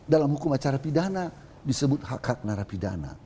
dalam hukum acara pidana disebut hak hak narapidana